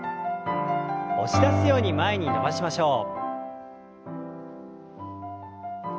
押し出すように前に伸ばしましょう。